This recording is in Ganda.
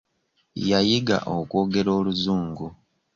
Yayiga okwogera oluzungu.